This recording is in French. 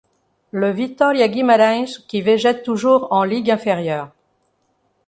Le Vitória Guimarães, qui végète toujours en ligue inférieure.